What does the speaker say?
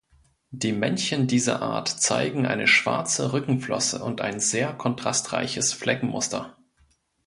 Die Männchen dieser Art zeigen eine schwarze Rückenflosse und ein sehr kontrastreiches Fleckenmuster.